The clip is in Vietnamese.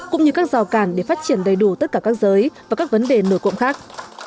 cũng như các rào cản để phát triển đầy đủ tất cả các giới và các vấn đề nổi cộm khác